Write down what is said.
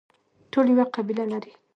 ټول یوه قبله لري